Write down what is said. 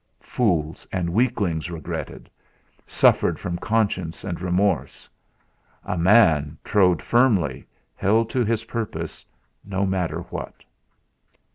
Fools and weaklings regretted, suffered from conscience and remorse. A man trod firmly, held to his purpose, no matter what!